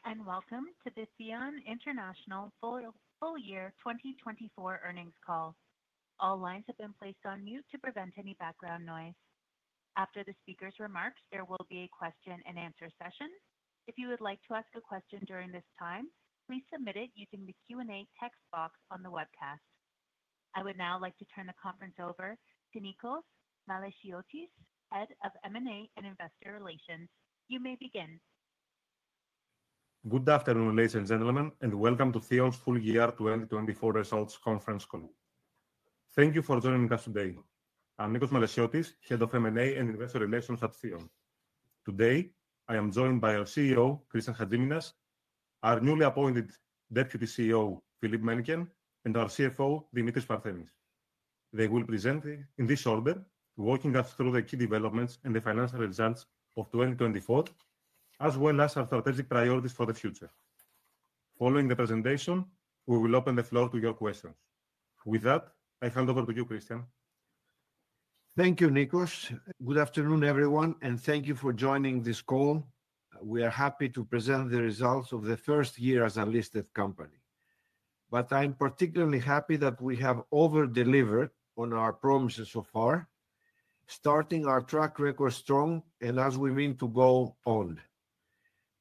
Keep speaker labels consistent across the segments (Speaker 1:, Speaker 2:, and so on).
Speaker 1: Hello, and welcome to the Theon International Full Year 2024 earnings call. All lines have been placed on mute to prevent any background noise. After the speaker's remarks, there will be a question-and-answer session. If you would like to ask a question during this time, please submit it using the Q&A text box on the webcast. I would now like to turn the conference over to Nikos Malesiotis, Head of M&A and Investor Relations. You may begin.
Speaker 2: Good afternoon, ladies and gentlemen, and welcome to Theon's Full Year 2024 Results Conference call. Thank you for joining us today. I'm Nikos Malesiotis, Head of M&A and Investor Relations at Theon. Today, I am joined by our CEO, Christian Hadjiminas, our newly appointed Deputy CEO, Philippe Mennicken, and our CFO, Dimitris Parthenis. They will present in this order, walking us through the key developments and the financial results of 2024, as well as our strategic priorities for the future. Following the presentation, we will open the floor to your questions. With that, I hand over to you, Christian.
Speaker 3: Thank you, Nikos. Good afternoon, everyone, and thank you for joining this call. We are happy to present the results of the first year as a listed company. I am particularly happy that we have over-delivered on our promises so far, starting our track record strong and as we mean to go on.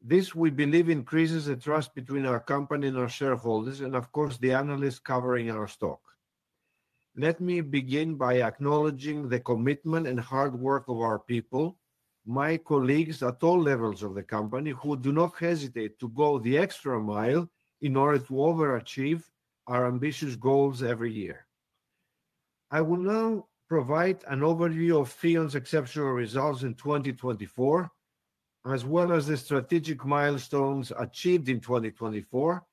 Speaker 3: This, we believe, increases the trust between our company and our shareholders, and of course, the analysts covering our stock. Let me begin by acknowledging the commitment and hard work of our people, my colleagues at all levels of the company, who do not hesitate to go the extra mile in order to overachieve our ambitious goals every year. I will now provide an overview of Theon's exceptional results in 2024, as well as the strategic milestones achieved in 2024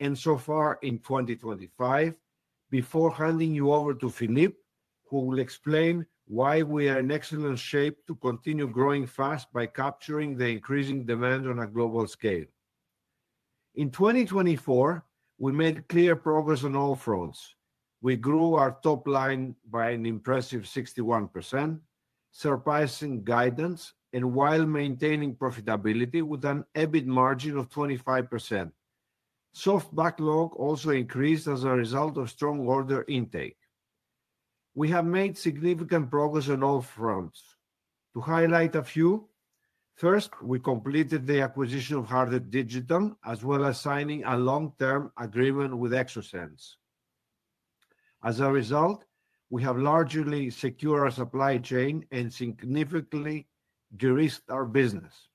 Speaker 3: and so far in 2025, before handing you over to Philippe, who will explain why we are in excellent shape to continue growing fast by capturing the increasing demand on a global scale. In 2024, we made clear progress on all fronts. We grew our top line by an impressive 61%, surpassing guidance and while maintaining profitability with an EBIT margin of 25%. Soft backlog also increased as a result of strong order intake. We have made significant progress on all fronts. To highlight a few, first, we completed the acquisition of Harder Digital, as well as signing a long-term agreement with Exosens. As a result, we have largely secured our supply chain and significantly de-risked our business.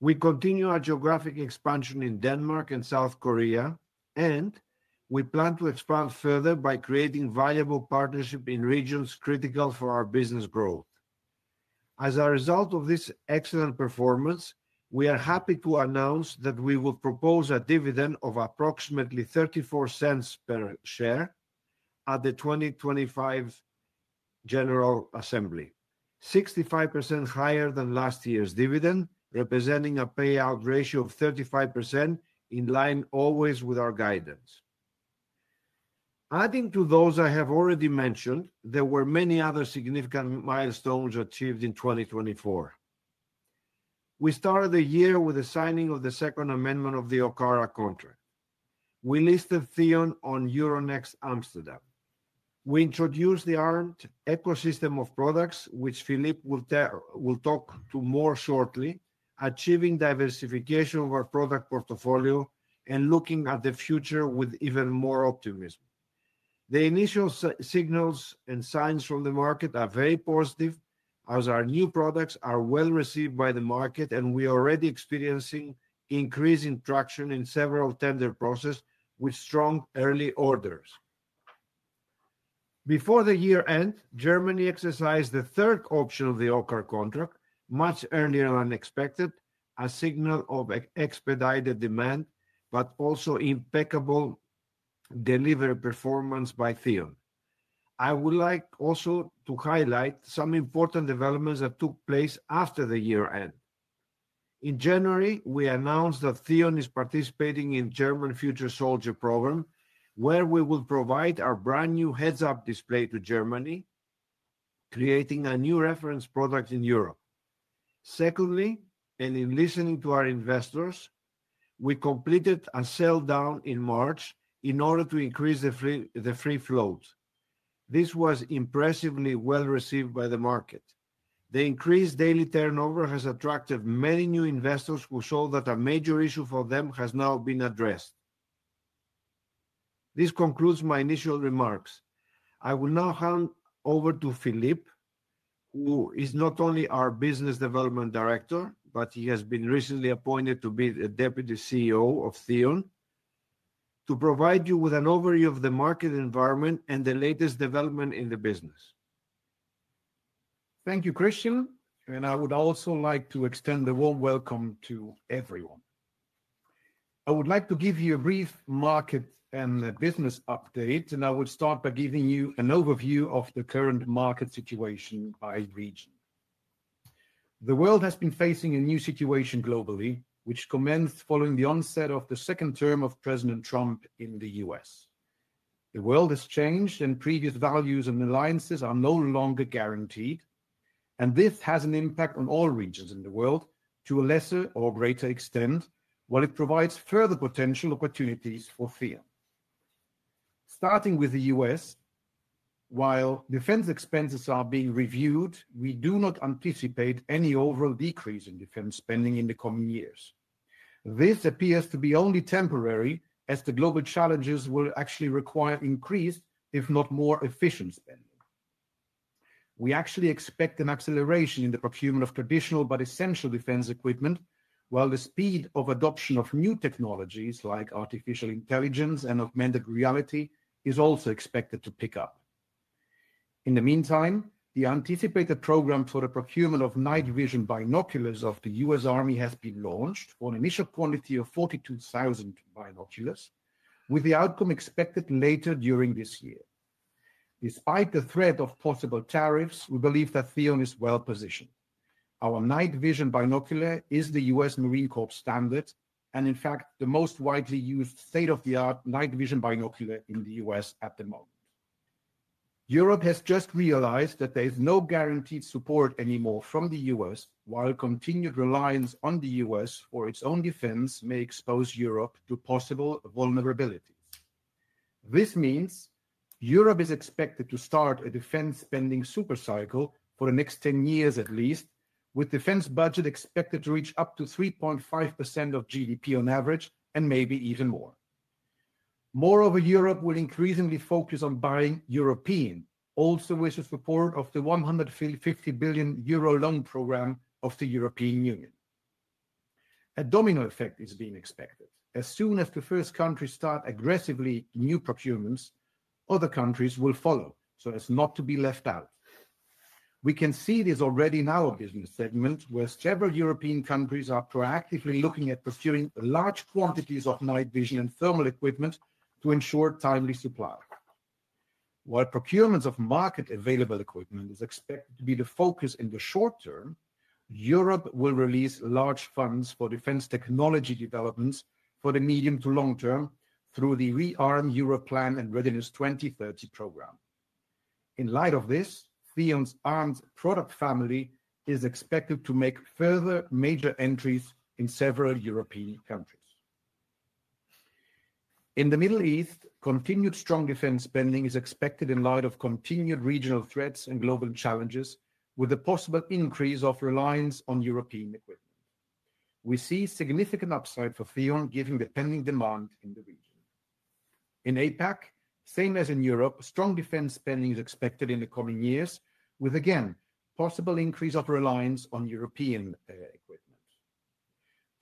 Speaker 3: We continue our geographic expansion in Denmark and South Korea, and we plan to expand further by creating valuable partnerships in regions critical for our business growth. As a result of this excellent performance, we are happy to announce that we will propose a dividend of approximately 0.34 per share at the 2025 General Assembly, 65% higher than last year's dividend, representing a payout ratio of 35% in line always with our guidance. Adding to those I have already mentioned, there were many other significant milestones achieved in 2024. We started the year with the signing of the Second Amendment of the OCARA contract. We listed Theon International on Euronext Amsterdam. We introduced the A.R.M.E.D ecosystem of products, which Philippe will talk to more shortly, achieving diversification of our product portfolio and looking at the future with even more optimism. The initial signals and signs from the market are very positive, as our new products are well received by the market, and we are already experiencing increasing traction in several tender processes with strong early orders. Before the year end, Germany exercised the third option of the OCARA contract, much earlier than expected, a signal of expedited demand, but also impeccable delivery performance by Theon. I would like also to highlight some important developments that took place after the year end. In January, we announced that Theon is participating in the German Future Soldier program, where we will provide our brand new HUD (heads-up display) to Germany, creating a new reference product in Europe. Secondly, and in listening to our investors, we completed a sell down in March in order to increase the free float. This was impressively well received by the market. The increased daily turnover has attracted many new investors who saw that a major issue for them has now been addressed. This concludes my initial remarks. I will now hand over to Philippe, who is not only our Business Development Director, but he has been recently appointed to be the Deputy CEO of Theon, to provide you with an overview of the market environment and the latest development in the business.
Speaker 4: Thank you, Christian. I would also like to extend a warm welcome to everyone. I would like to give you a brief market and business update, and I will start by giving you an overview of the current market situation by region. The world has been facing a new situation globally, which commenced following the onset of the second term of President Trump in the U.S. The world has changed, and previous values and alliances are no longer guaranteed. This has an impact on all regions in the world to a lesser or greater extent, while it provides further potential opportunities for Theon. Starting with the U.S., while defense expenses are being reviewed, we do not anticipate any overall decrease in defense spending in the coming years. This appears to be only temporary, as the global challenges will actually require increased, if not more efficient spending. We actually expect an acceleration in the procurement of traditional but essential defense equipment, while the speed of adoption of new technologies like artificial intelligence and augmented reality is also expected to pick up. In the meantime, the anticipated program for the procurement of night vision binoculars of the U.S. Army has been launched for an initial quantity of 42,000 binoculars, with the outcome expected later during this year. Despite the threat of possible tariffs, we believe that Theon is well positioned. Our night vision binocular is the U.S. Marine Corps standard and, in fact, the most widely used state-of-the-art night vision binocular in the U.S. at the moment. Europe has just realized that there is no guaranteed support anymore from the U.S., while continued reliance on the U.S. for its own defense may expose Europe to possible vulnerabilities. This means Europe is expected to start a defense spending supercycle for the next 10 years at least, with defense budget expected to reach up to 3.5% of GDP on average and maybe even more. Moreover, Europe will increasingly focus on buying European, also with support of the 150 billion euro loan program of the European Union. A domino effect is being expected. As soon as the first countries start aggressively new procurements, other countries will follow so as not to be left out. We can see this already in our business segment, where several European countries are proactively looking at procuring large quantities of night vision and thermal equipment to ensure timely supply. While procurements of market-available equipment is expected to be the focus in the short term, Europe will release large funds for defense technology developments for the medium to long term through the rearm Europe plan and Readiness 2030 program. In light of this, Theon's armed product family is expected to make further major entries in several European countries. In the Middle East, continued strong defense spending is expected in light of continued regional threats and global challenges, with a possible increase of reliance on European equipment. We see significant upside for Theon given the pending demand in the region. In APAC, same as in Europe, strong defense spending is expected in the coming years, with, again, possible increase of reliance on European equipment.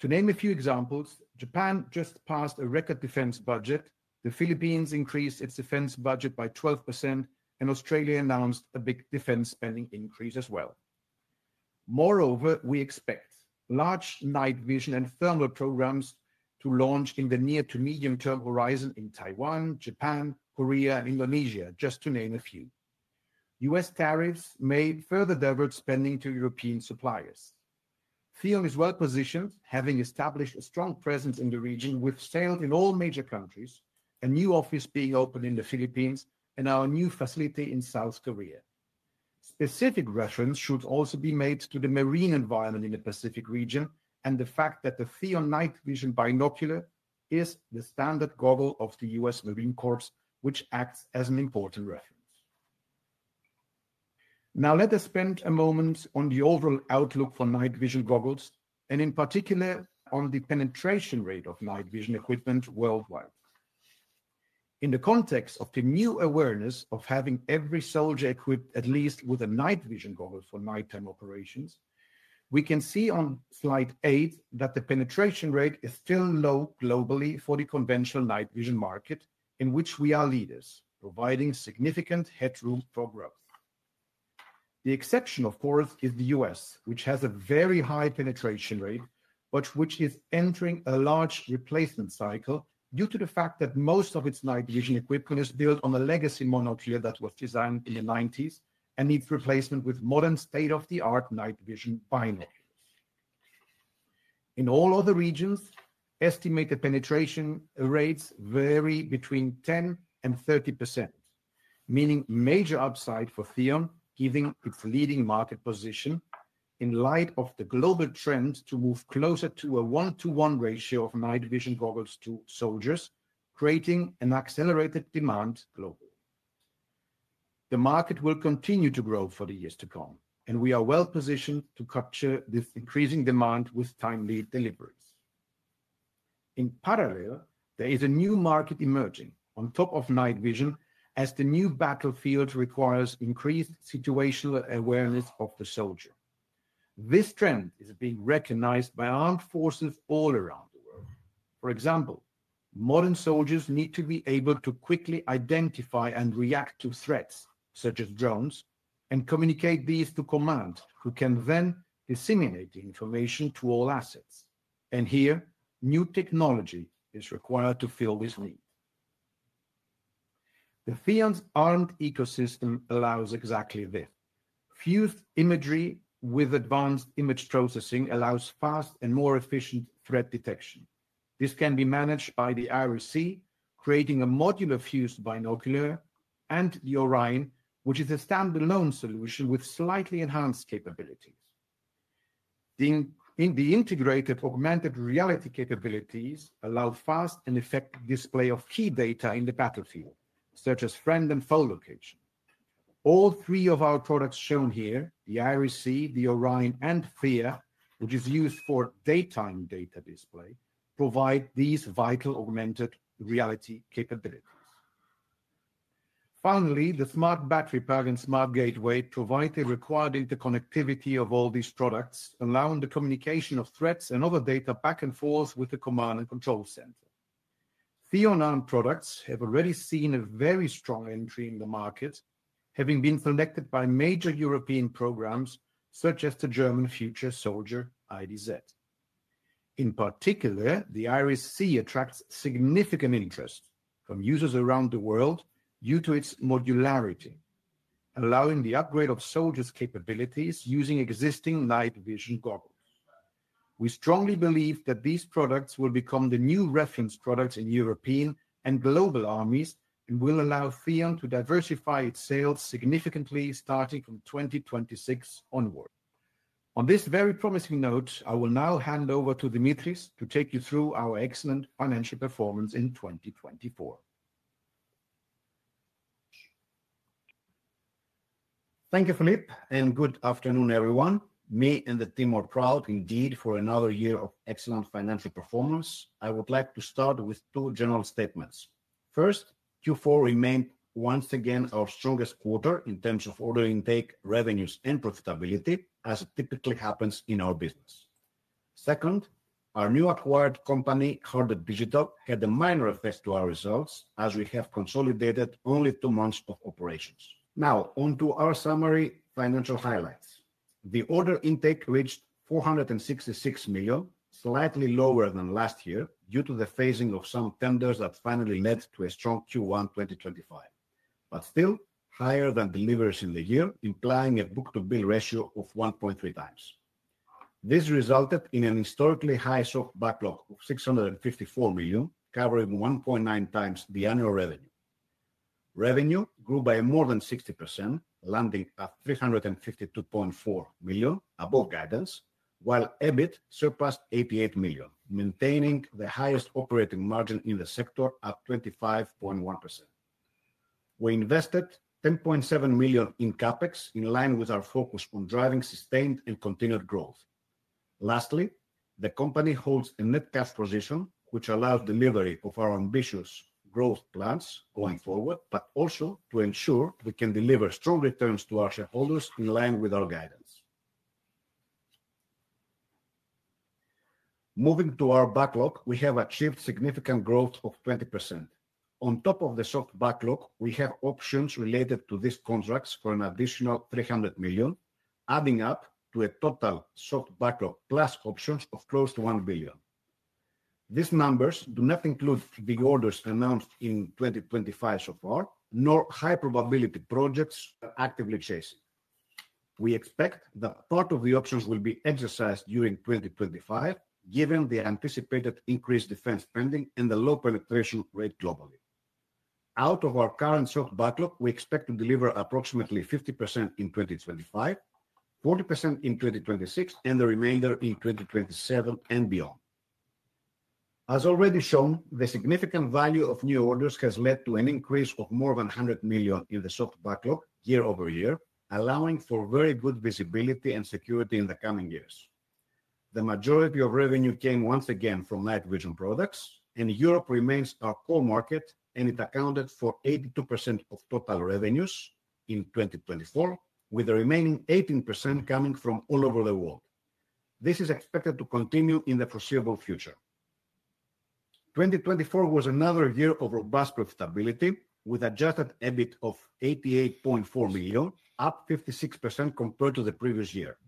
Speaker 4: To name a few examples, Japan just passed a record defense budget, the Philippines increased its defense budget by 12%, and Australia announced a big defense spending increase as well. Moreover, we expect large night vision and thermal programs to launch in the near to medium term horizon in Taiwan, Japan, Korea, and Indonesia, just to name a few. U.S. tariffs may further divert spending to European suppliers. Theon is well positioned, having established a strong presence in the region, with sales in all major countries, a new office being opened in the Philippines, and our new facility in South Korea. Specific reference should also be made to the marine environment in the Pacific region and the fact that the Theon night vision binocular is the standard goggle of the U.S. Marine Corps, which acts as an important reference. Now, let us spend a moment on the overall outlook for night vision goggles, and in particular on the penetration rate of night vision equipment worldwide. In the context of the new awareness of having every soldier equipped at least with a night vision goggle for nighttime operations, we can see on slide eight that the penetration rate is still low globally for the conventional night vision market, in which we are leaders, providing significant headroom for growth. The exception, of course, is the U.S., which has a very high penetration rate, but which is entering a large replacement cycle due to the fact that most of its night vision equipment is built on a legacy monocular that was designed in the 1990s and needs replacement with modern state-of-the-art night vision binoculars. In all other regions, estimated penetration rates vary between 10% and 30%, meaning major upside for Theon, given its leading market position in light of the global trend to move closer to a one-to-one ratio of night vision goggles to soldiers, creating an accelerated demand globally. The market will continue to grow for the years to come, and we are well positioned to capture this increasing demand with timely deliveries. In parallel, there is a new market emerging on top of night vision as the new battlefield requires increased situational awareness of the soldier. This trend is being recognized by armed forces all around the world. For example, modern soldiers need to be able to quickly identify and react to threats such as drones and communicate these to commands, who can then disseminate the information to all assets. Here, new technology is required to fill this need. The Theon's A.R.M.E.D ecosystem allows exactly this. Fused imagery with advanced image processing allows fast and more efficient threat detection. This can be managed by the ROC, creating a modular fused binocular, and the Orion, which is a standalone solution with slightly enhanced capabilities. The integrated augmented reality capabilities allow fast and effective display of key data in the battlefield, such as friend and foe location. All three of our products shown here, the ROC, the Orion, and Theon, which is used for daytime data display, provide these vital augmented reality capabilities. Finally, the smart battery plug and smart gateway provide the required interconnectivity of all these products, allowing the communication of threats and other data back and forth with the command and control center. Theon A.R.M.E.D products have already seen a very strong entry in the market, having been selected by major European programs such as the German Future Soldier IDZ. In particular, the ROC attracts significant interest from users around the world due to its modularity, allowing the upgrade of soldiers' capabilities using existing night vision goggles. We strongly believe that these products will become the new reference products in European and global armies and will allow Theon to diversify its sales significantly starting from 2026 onward. On this very promising note, I will now hand over to Dimitris to take you through our excellent financial performance in 2024.
Speaker 5: Thank you, Philippe, and good afternoon, everyone. Me and the team are proud indeed for another year of excellent financial performance. I would like to start with two general statements. First, Q4 remained once again our strongest quarter in terms of order intake, revenues, and profitability, as it typically happens in our business. Second, our new acquired company, Harder Digital, had a minor effect on our results as we have consolidated only two months of operations. Now, on to our summary financial highlights. The order intake reached 466 million, slightly lower than last year due to the phasing of some tenders that finally led to a strong Q1 2025, but still higher than deliveries in the year, implying a book-to-bill ratio of 1.3 times. This resulted in an historically high soft backlog of 654 million, covering 1.9 times the annual revenue. Revenue grew by more than 60%, landing at 352.4 million, above guidance, while EBIT surpassed 88 million, maintaining the highest operating margin in the sector at 25.1%. We invested 10.7 million in CapEx in line with our focus on driving sustained and continued growth. Lastly, the company holds a net cash position, which allows delivery of our ambitious growth plans going forward, but also to ensure we can deliver strong returns to our shareholders in line with our guidance. Moving to our backlog, we have achieved significant growth of 20%. On top of the soft backlog, we have options related to these contracts for an additional 300 million, adding up to a total soft backlog plus options of close to 1 billion. These numbers do not include the orders announced in 2025 so far, nor high-probability projects actively chasing. We expect that part of the options will be exercised during 2025, given the anticipated increased defense spending and the low penetration rate globally. Out of our current soft backlog, we expect to deliver approximately 50% in 2025, 40% in 2026, and the remainder in 2027 and beyond. As already shown, the significant value of new orders has led to an increase of more than 100 million in the soft backlog year over year, allowing for very good visibility and security in the coming years. The majority of revenue came once again from night vision products, and Europe remains our core market, and it accounted for 82% of total revenues in 2024, with the remaining 18% coming from all over the world. This is expected to continue in the foreseeable future. 2024 was another year of robust profitability, with adjusted EBIT of 88.4 million, up 56% compared to the previous year.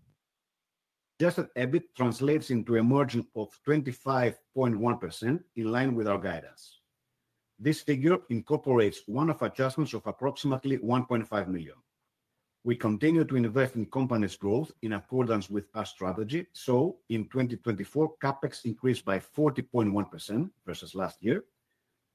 Speaker 5: Adjusted EBIT translates into a margin of 25.1% in line with our guidance. This figure incorporates one-off adjustments of approximately 1.5 million. We continue to invest in company's growth in accordance with our strategy. In 2024, CapEx increased by 40.1% versus last year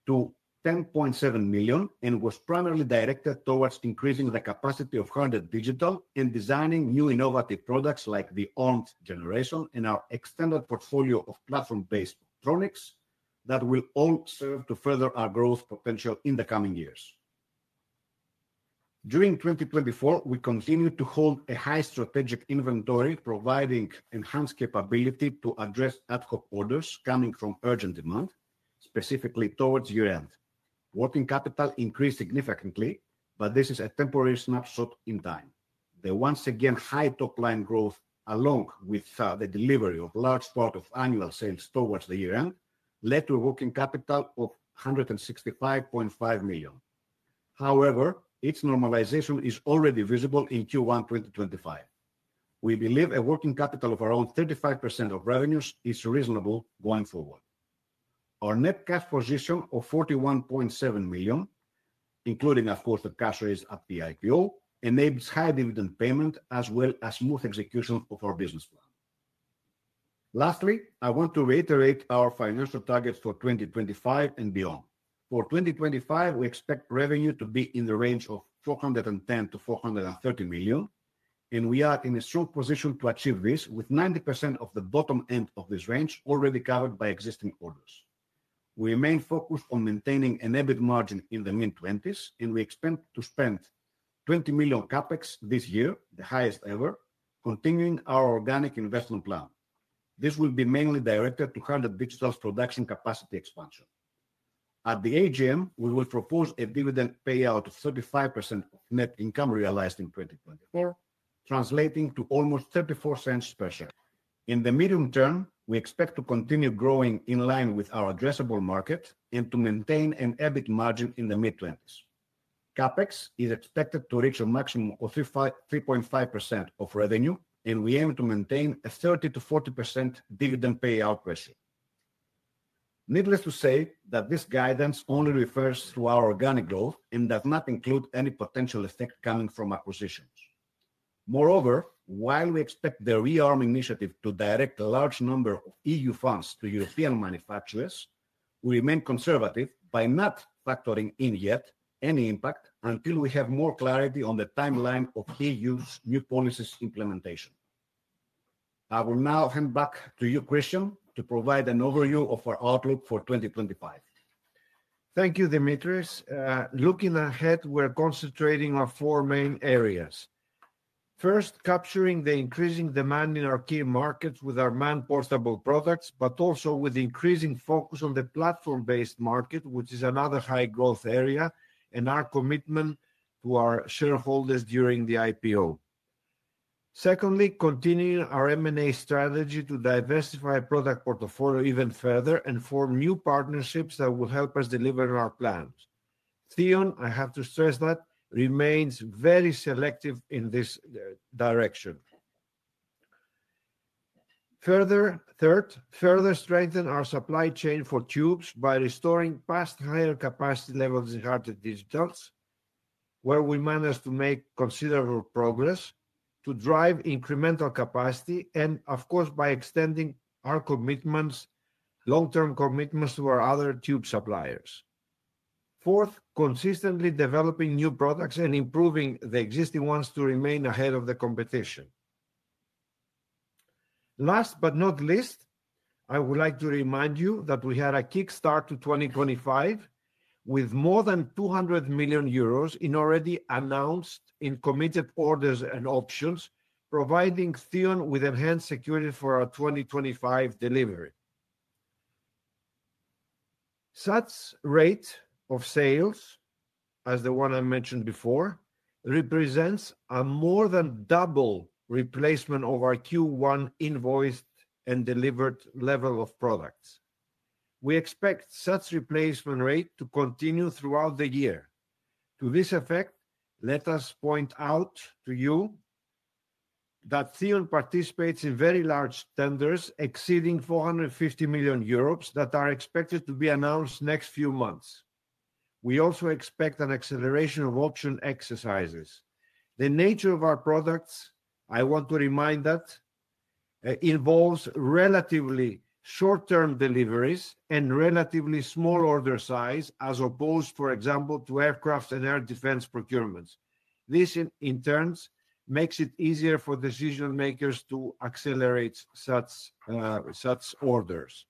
Speaker 5: to 10.7 million and was primarily directed towards increasing the capacity of Harder Digital and designing new innovative products like the A.R.M.E.D Generation and our extended portfolio of platform-based [optronics] that will all serve to further our growth potential in the coming years. During 2024, we continue to hold a high strategic inventory, providing enhanced capability to address ad hoc orders coming from urgent demand, specifically towards year-end. Working capital increased significantly, but this is a temporary snapshot in time. The once again high top-line growth, along with the delivery of a large part of annual sales towards the year-end, led to a working capital of 165.5 million. However, its normalization is already visible in Q1 2025. We believe a working capital of around 35% of revenues is reasonable going forward. Our net cash position of 41.7 million, including, of course, the cash raised at the IPO, enables high dividend payment as well as smooth execution of our business plan. Lastly, I want to reiterate our financial targets for 2025 and beyond. For 2025, we expect revenue to be in the range of 410-430 million, and we are in a strong position to achieve this with 90% of the bottom end of this range already covered by existing orders. We remain focused on maintaining an EBIT margin in the mid-20s, and we expect to spend 20 million CapEx this year, the highest ever, continuing our organic investment plan. This will be mainly directed to Harder Digital's production capacity expansion. At the AGM, we will propose a dividend payout of 35% of net income realized in 2024, translating to almost 0.34 per share. In the medium term, we expect to continue growing in line with our addressable market and to maintain an EBIT margin in the mid-20s. CapEx is expected to reach a maximum of 3.5% of revenue, and we aim to maintain a 30-40% dividend payout ratio. Needless to say that this guidance only refers to our organic growth and does not include any potential effect coming from acquisitions. Moreover, while we expect the rearm initiative to direct a large number of EU funds to European manufacturers, we remain conservative by not factoring in yet any impact until we have more clarity on the timeline of EU's new policies implementation. I will now hand back to you, Christian, to provide an overview of our outlook for 2025.
Speaker 3: Thank you, Dimitris. Looking ahead, we're concentrating on four main areas. First, capturing the increasing demand in our key markets with our man-portable products, but also with increasing focus on the platform-based market, which is another high-growth area, and our commitment to our shareholders during the IPO. Secondly, continuing our M&A strategy to diversify product portfolio even further and form new partnerships that will help us deliver our plans. Theon, I have to stress that, remains very selective in this direction. Third, further strengthen our supply chain for tubes by restoring past higher capacity levels in Harder Digital, where we managed to make considerable progress to drive incremental capacity and, of course, by extending our commitments, long-term commitments to our other tube suppliers. Fourth, consistently developing new products and improving the existing ones to remain ahead of the competition. Last but not least, I would like to remind you that we had a kickstart to 2025 with more than 200 million euros in already announced and committed orders and options, providing Theon with enhanced security for our 2025 delivery. Such rate of sales, as the one I mentioned before, represents a more than double replacement of our Q1 invoiced and delivered level of products. We expect such replacement rate to continue throughout the year. To this effect, let us point out to you that Theon participates in very large tenders exceeding 450 million euros that are expected to be announced next few months. We also expect an acceleration of option exercises. The nature of our products, I want to remind that, involves relatively short-term deliveries and relatively small order size, as opposed, for example, to aircraft and air defense procurements. This, in turn, makes it easier for decision-makers to accelerate such orders.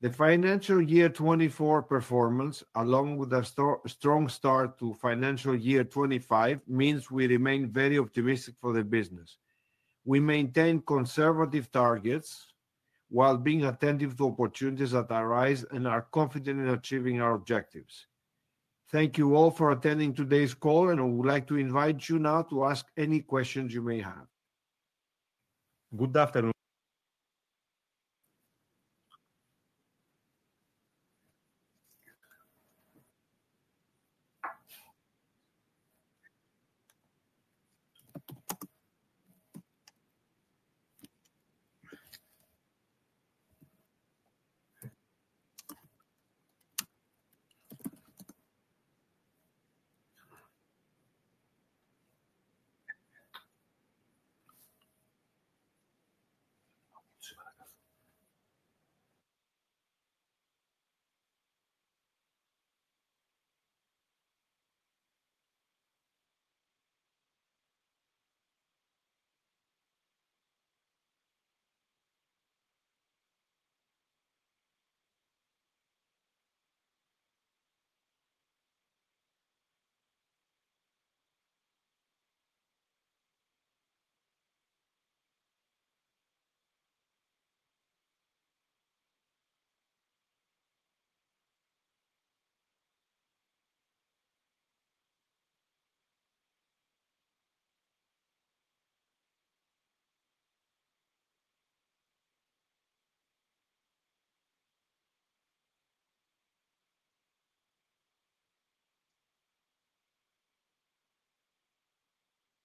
Speaker 3: The financial year 2024 performance, along with a strong start to financial year 2025, means we remain very optimistic for the business. We maintain conservative targets while being attentive to opportunities that arise and are confident in achieving our objectives. Thank you all for attending today's call, and I would like to invite you now to ask any questions you may have. Good afternoon.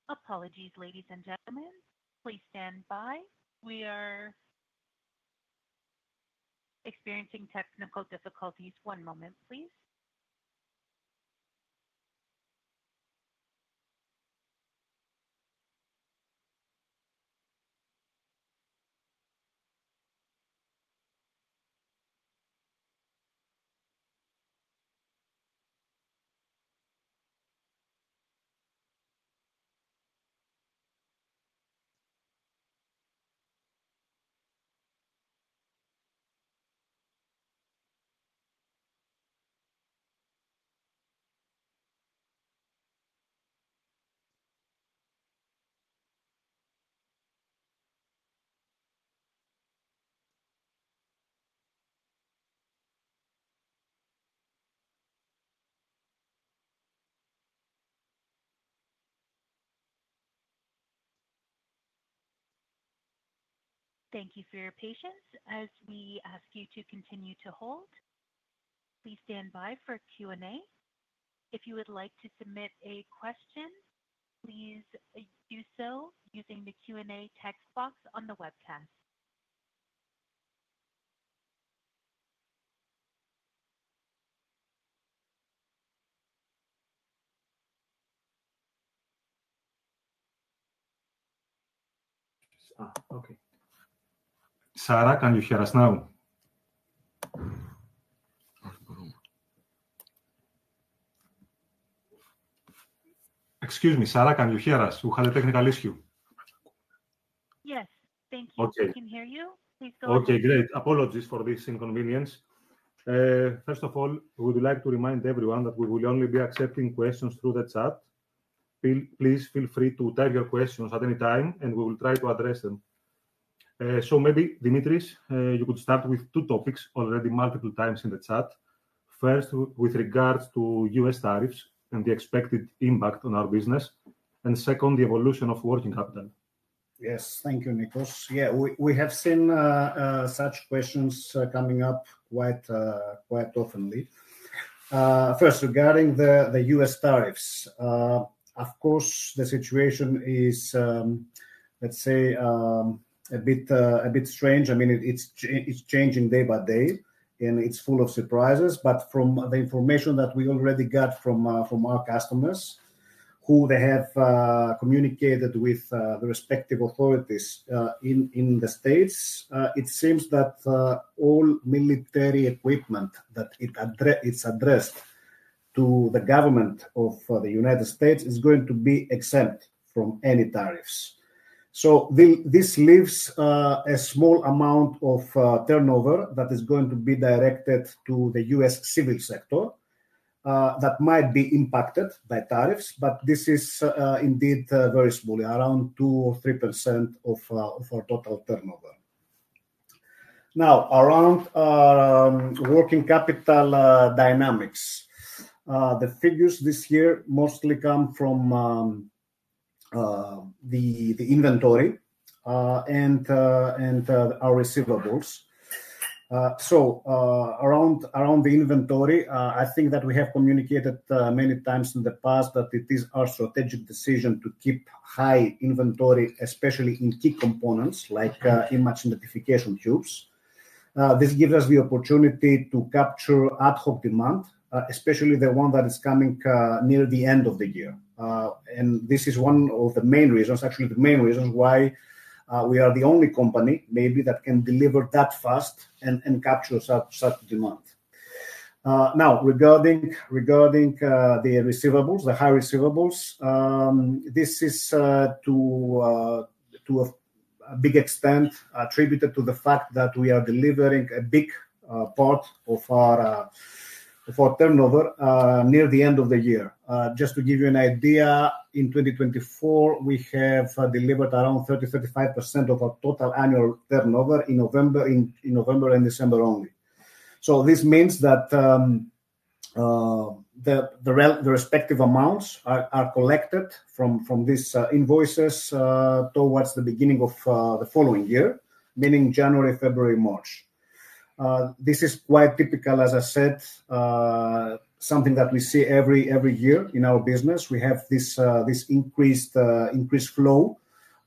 Speaker 1: Apologies, ladies and gentlemen. Please stand by. We are experiencing technical difficulties. One moment, please. Thank you for your patience as we ask you to continue to hold. Please stand by for Q&A. If you would like to submit a question, please do so using the Q&A text box on the webcast.
Speaker 2: Sarah, can you hear us now? Excuse me, Sarah, can you hear us? We had a technical issue.
Speaker 1: Yes, thank you. We can hear you. Please go ahead.
Speaker 2: Okay, great. Apologies for this inconvenience. First of all, we would like to remind everyone that we will only be accepting questions through the chat. Please feel free to type your questions at any time, and we will try to address them. Dimitris, you could start with two topics already multiple times in the chat. First, with regards to U.S. tariffs and the expected impact on our business. Second, the evolution of working capital.
Speaker 5: Yes, thank you, Nikos. Yeah, we have seen such questions coming up quite often. First, regarding the U.S. tariffs, of course, the situation is, let's say, a bit strange. I mean, it's changing day by day, and it's full of surprises. From the information that we already got from our customers, who have communicated with the respective authorities in the States, it seems that all military equipment that is addressed to the government of the United States is going to be exempt from any tariffs. This leaves a small amount of turnover that is going to be directed to the U.S. civil sector that might be impacted by tariffs, but this is indeed very small, around 2-3% of our total turnover. Now, around working capital dynamics, the figures this year mostly come from the inventory and our receivables. Around the inventory, I think that we have communicated many times in the past that it is our strategic decision to keep high inventory, especially in key components like image intensifier tubes. This gives us the opportunity to capture ad hoc demand, especially the one that is coming near the end of the year. This is one of the main reasons, actually the main reason why we are the only company maybe that can deliver that fast and capture such demand. Now, regarding the receivables, the high receivables, this is to a big extent attributed to the fact that we are delivering a big part of our turnover near the end of the year. Just to give you an idea, in 2024, we have delivered around 30-35% of our total annual turnover in November and December only. This means that the respective amounts are collected from these invoices towards the beginning of the following year, meaning January, February, March. This is quite typical, as I said, something that we see every year in our business. We have this increased flow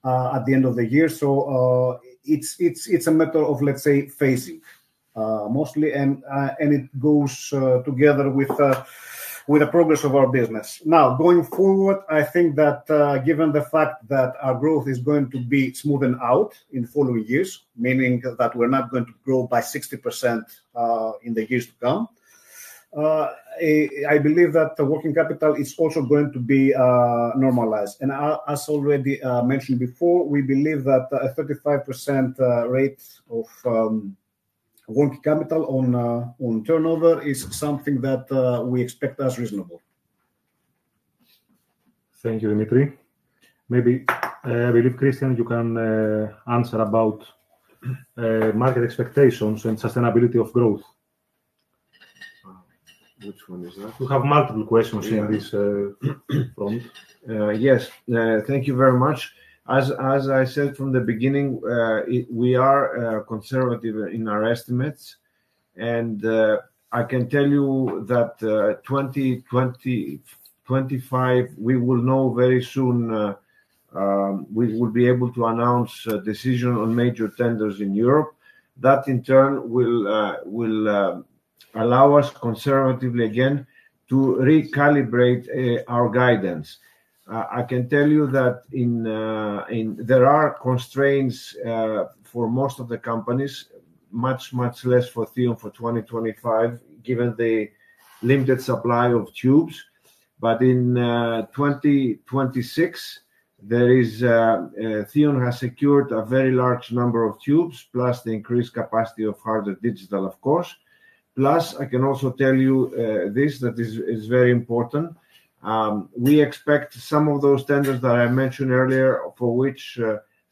Speaker 5: at the end of the year. It is a matter of, let's say, phasing mostly, and it goes together with the progress of our business. Now, going forward, I think that given the fact that our growth is going to be smoothened out in the following years, meaning that we're not going to grow by 60% in the years to come, I believe that the working capital is also going to be normalized. As already mentioned before, we believe that a 35% rate of working capital on turnover is something that we expect as reasonable.
Speaker 2: Thank you, Dimitris. Maybe I believe Christian, you can answer about market expectations and sustainability of growth.
Speaker 3: Which one is that?
Speaker 2: You have multiple questions in this front.
Speaker 3: Yes, thank you very much. As I said from the beginning, we are conservative in our estimates. I can tell you that in 2025, we will know very soon we will be able to announce a decision on major tenders in Europe. That, in turn, will allow us, conservatively again, to recalibrate our guidance. I can tell you that there are constraints for most of the companies, much, much less for Theon for 2025, given the limited supply of tubes. In 2026, Theon has secured a very large number of tubes, plus the increased capacity of Harder Digital, of course. I can also tell you this, that is very important. We expect some of those tenders that I mentioned earlier, for which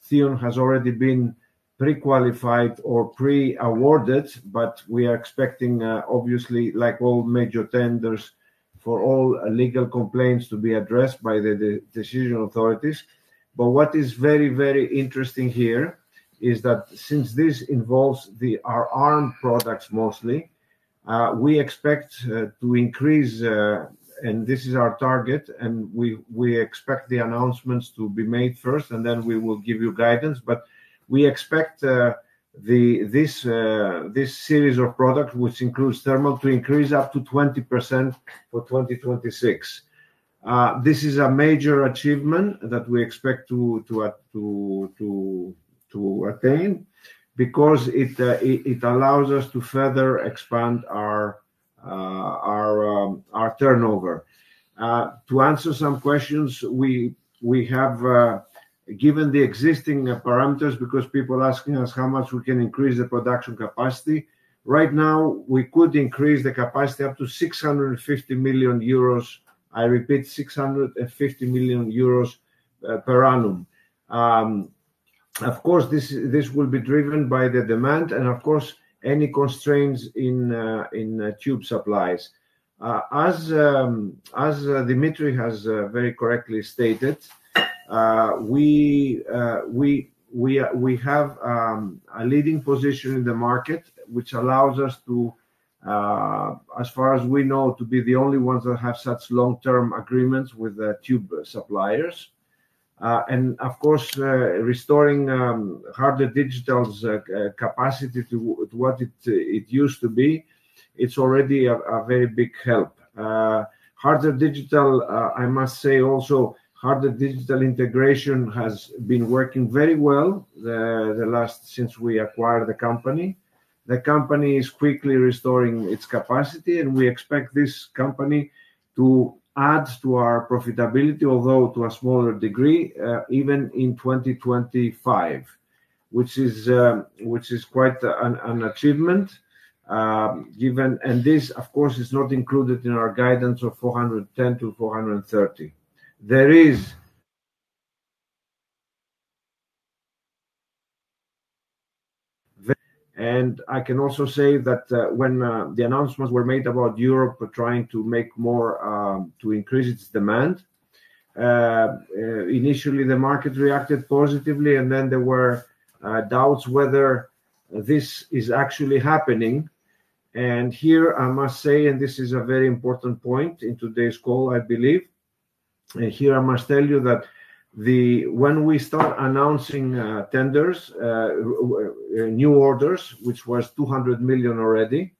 Speaker 3: Theon has already been pre-qualified or pre-awarded, but we are expecting, obviously, like all major tenders, for all legal complaints to be addressed by the decision authorities. What is very, very interesting here is that since this involves our A.R.M.products mostly, we expect to increase, and this is our target, and we expect the announcements to be made first, and then we will give you guidance. We expect this series of products, which includes thermal, to increase up to 20% for 2026. This is a major achievement that we expect to attain, because it allows us to further expand our turnover. To answer some questions, we have given the existing parameters because people are asking us how much we can increase the production capacity. Right now, we could increase the capacity up to 650 million euros. I repeat, 650 million euros per annum. Of course, this will be driven by the demand and, of course, any constraints in tube supplies. As Dimitris has very correctly stated, we have a leading position in the market, which allows us to, as far as we know, to be the only ones that have such long-term agreements with tube suppliers. Of course, restoring Harder Digital's capacity to what it used to be, it's already a very big help. Harder Digital, I must say also, Harder Digital integration has been working very well since we acquired the company. The company is quickly restoring its capacity, and we expect this company to add to our profitability, although to a smaller degree, even in 2025, which is quite an achievement. This, of course, is not included in our guidance of 410-430. There is. I can also say that when the announcements were made about Europe trying to increase its demand, initially, the market reacted positively, and then there were doubts whether this is actually happening. I must say, and this is a very important point in today's call, I believe. I must tell you that when we start announcing tenders, new orders, which was 200 million already,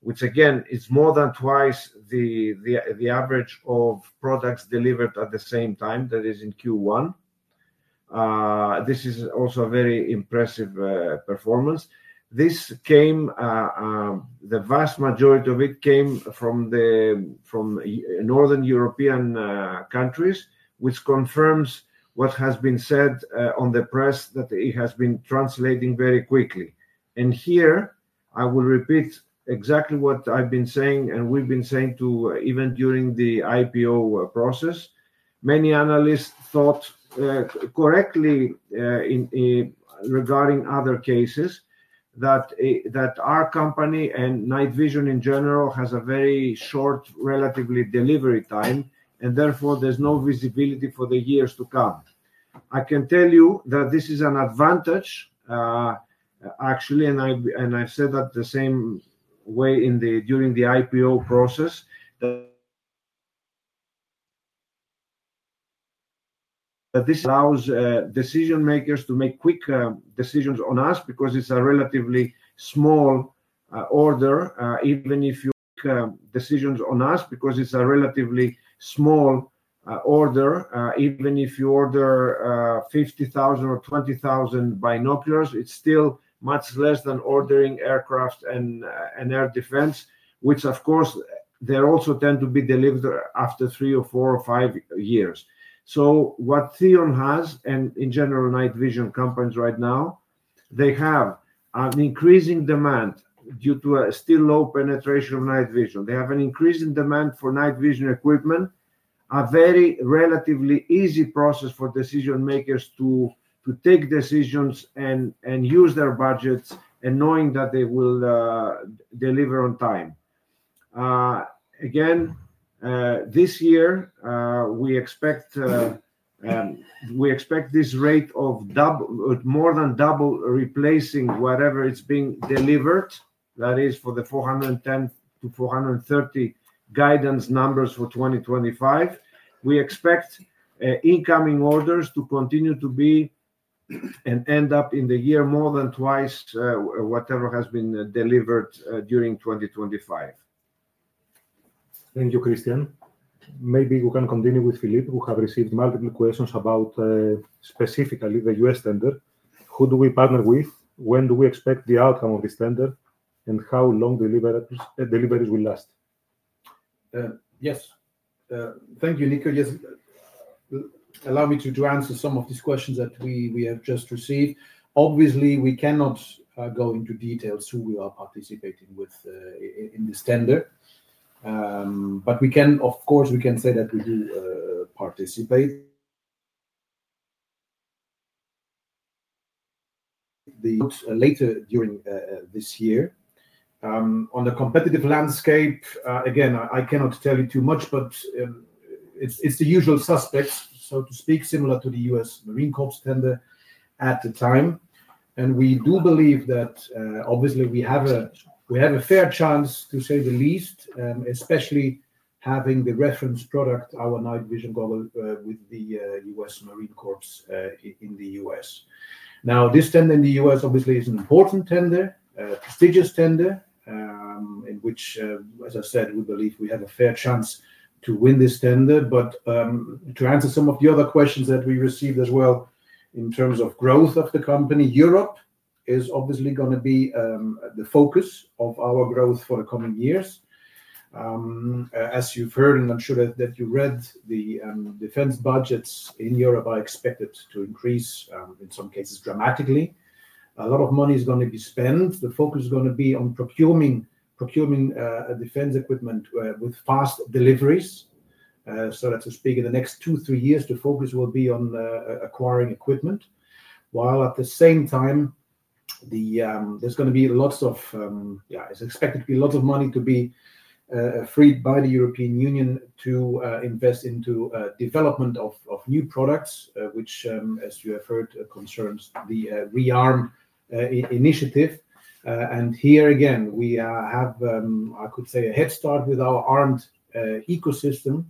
Speaker 3: which, again, is more than twice the average of products delivered at the same time that is in Q1. This is also a very impressive performance. The vast majority of it came from northern European countries, which confirms what has been said in the press that it has been translating very quickly. I will repeat exactly what I've been saying and we've been saying even during the IPO process. Many analysts thought correctly regarding other cases that our company and night vision in general has a very short, relatively delivery time, and therefore, there's no visibility for the years to come. I can tell you that this is an advantage, actually, and I said that the same way during the IPO process. This allows decision makers to make quick decisions on us because it's a relatively small order, even if you order 50,000 or 20,000 binoculars, it's still much less than ordering aircraft and air defense, which, of course, they also tend to be delivered after three or four or five years. What Theon has, and in general, night vision companies right now, they have an increasing demand due to still low penetration of night vision. They have an increasing demand for night vision equipment, a very relatively easy process for decision makers to take decisions and use their budgets and knowing that they will deliver on time. Again, this year, we expect this rate of more than double replacing whatever is being delivered, that is, for the 410-430 guidance numbers for 2025. We expect incoming orders to continue to be and end up in the year more than twice whatever has been delivered during 2025.
Speaker 2: Thank you, Christian. Maybe we can continue with Philippe, who has received multiple questions about specifically the U.S. tender. Who do we partner with? When do we expect the outcome of this tender? And how long deliveries will last?
Speaker 4: Yes. Thank you, Nikos. Yes. Allow me to answer some of these questions that we have just received. Obviously, we cannot go into details who we are participating with in this tender. Of course, we can say that we do participate. Later during this year. On the competitive landscape, again, I cannot tell you too much, but it is the usual suspects, so to speak, similar to the U.S. Marine Corps tender at the time. We do believe that, obviously, we have a fair chance, to say the least, especially having the reference product, our Night Vision Binoculars with the U.S. Marine Corps in the U.S. Now, this tender in the U.S., obviously, is an important tender, a prestigious tender, in which, as I said, we believe we have a fair chance to win this tender. To answer some of the other questions that we received as well in terms of growth of the company, Europe is obviously going to be the focus of our growth for the coming years. As you've heard, and I'm sure that you read, the defense budgets in Europe are expected to increase, in some cases, dramatically. A lot of money is going to be spent. The focus is going to be on procuring defense equipment with fast deliveries. In the next two, three years, the focus will be on acquiring equipment. At the same time, it's expected to be a lot of money to be freed by the European Union to invest into development of new products, which, as you have heard, concerns the rearm initiative. Here, again, we have, I could say, a head start with our A.R.M.E.D. ecosystem,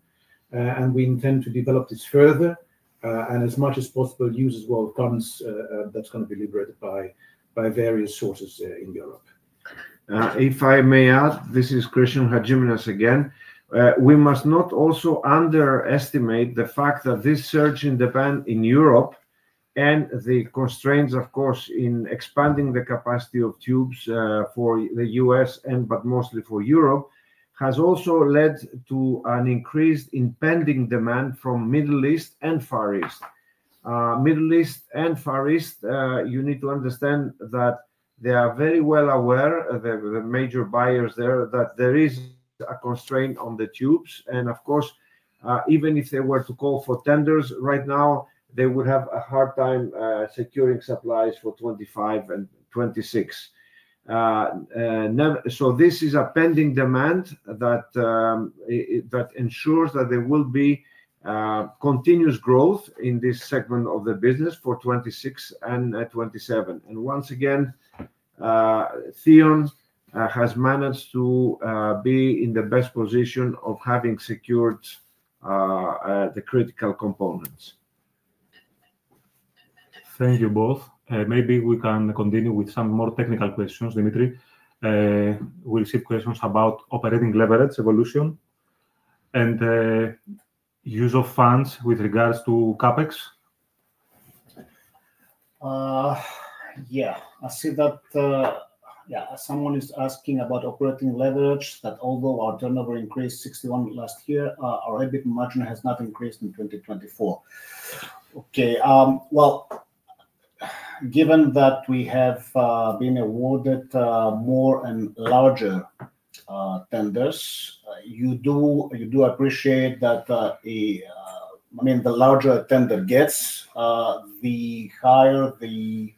Speaker 4: and we intend to develop this further. As much as possible, use as well of guns that's going to be liberated by various sources in Europe.
Speaker 3: If I may add, this is Christian Hadjiminas again. We must not also underestimate the fact that this surge in demand in Europe and the constraints, of course, in expanding the capacity of tubes for the U.S., but mostly for Europe, has also led to an increased impending demand from the Middle East and Far East. Middle East and Far East, you need to understand that they are very well aware, the major buyers there, that there is a constraint on the tubes. Of course, even if they were to call for tenders right now, they would have a hard time securing supplies for 2025 and 2026. This is a pending demand that ensures that there will be continuous growth in this segment of the business for 2026 and 2027. Once again, Theon has managed to be in the best position of having secured the critical components.
Speaker 2: Thank you both. Maybe we can continue with some more technical questions, Dimitris. We'll see questions about operating leverage, evolution, and use of funds with regards to CapEx.
Speaker 5: Yeah. I see that someone is asking about operating leverage, that although our turnover increased 61 last year, our EBIT margin has not increased in 2024. Okay. Given that we have been awarded more and larger tenders, you do appreciate that, I mean, the larger a tender gets, the higher the,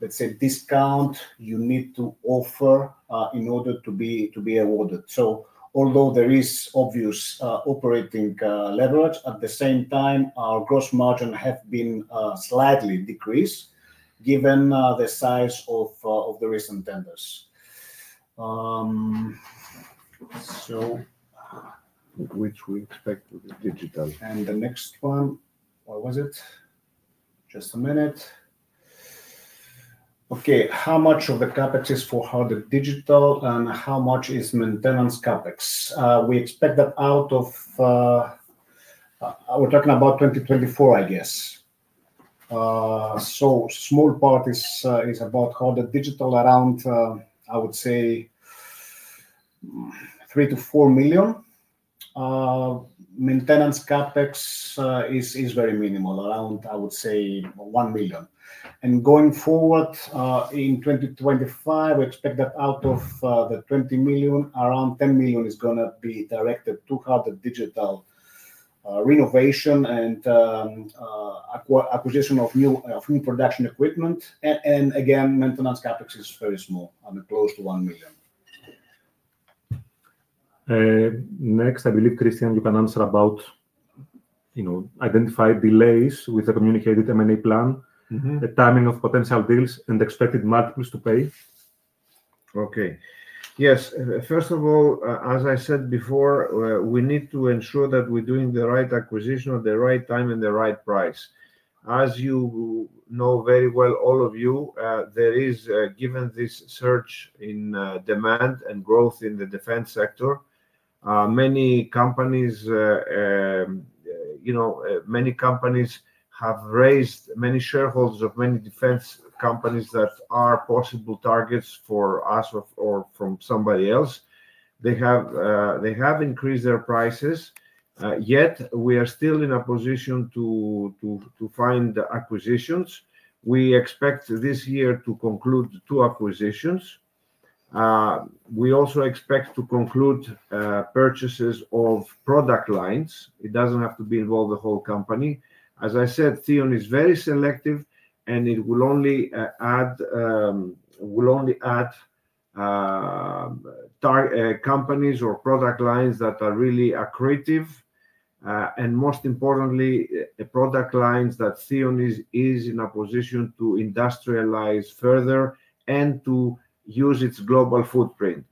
Speaker 5: let's say, discount you need to offer in order to be awarded. So although there is obvious operating leverage, at the same time, our gross margin has been slightly decreased given the size of the recent tenders. Which we expect with the digital. The next one, what was it? Just a minute. Okay. How much of the CapEx is for Harder Digital and how much is maintenance CapEx? We expect that out of, we are talking about 2024, I guess. A small part is about Harder Digital, around, I would say, 3 million-4 million. Maintenance CapEx is very minimal, around, I would say, 1 million. Going forward in 2025, we expect that out of the 20 million, around 10 million is going to be directed to Harder Digital renovation and acquisition of new production equipment. Again, maintenance CapEx is very small, close to 1 million.
Speaker 2: Next, I believe Christian, you can answer about identified delays with the communicated M&A plan, the timing of potential deals, and expected multiples to pay.
Speaker 3: Okay. Yes. First of all, as I said before, we need to ensure that we're doing the right acquisition at the right time and the right price. As you know very well, all of you, there is, given this surge in demand and growth in the defense sector, many companies have raised many shareholders of many defense companies that are possible targets for us or from somebody else. They have increased their prices. Yet we are still in a position to find acquisitions. We expect this year to conclude two acquisitions. We also expect to conclude purchases of product lines. It doesn't have to be involved the whole company. As I said, Theon is very selective, and it will only add companies or product lines that are really accretive. Most importantly, product lines that Theon is in a position to industrialize further and to use its global footprint.